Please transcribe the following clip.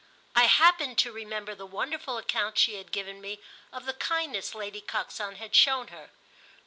I happened to remember the wonderful accounts she had given me of the kindness Lady Coxon had shown her.